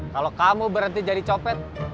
kalau kamu berhenti jadi copet